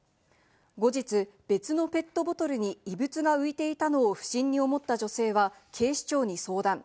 後日、別のペットボトルに異物が浮いていたのを不審に思った女性は警視庁に相談。